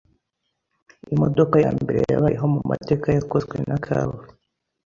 imodoka ya mbere yabayeho mu mateka yakozwe na Carl